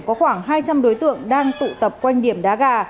có khoảng hai trăm linh đối tượng đang tụ tập quanh điểm đá gà